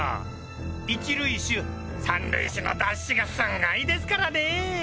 １塁手３塁手のダッシュが凄いですからねェ。